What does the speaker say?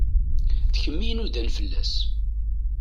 D kem i inudan fell-as.